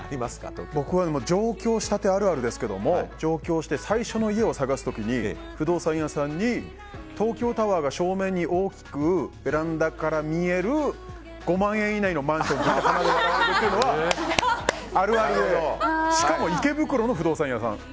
僕は上京したてあるあるなんですけど上京して最初に家を探す時に不動産屋さんに東京タワーが正面に大きくベランダから見える５万円以内のマンションって言ったら、鼻で笑われたのはあるあるでしかも池袋の不動産屋さん。